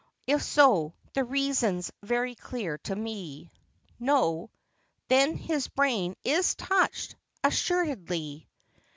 If so, the reason 's very clear to see. No? Then his brain is touched, assuredly.